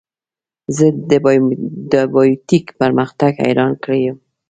زه د بایو ټیک پرمختګ حیران کړی یم.